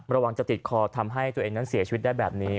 ระวังจะติดคอทำให้ตัวเองนั้นเสียชีวิตได้แบบนี้